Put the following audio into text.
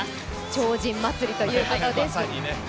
超人祭りということです。